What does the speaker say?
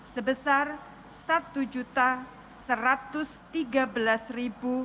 sebesar satu satu juta dolar